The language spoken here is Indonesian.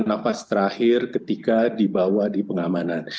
nafas terakhir ketika dibawa di pengamanan